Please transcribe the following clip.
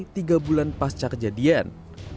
tiga bulan pasca kejadian